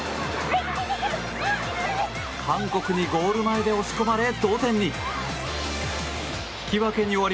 韓国にゴール前で押し込まれ同点に。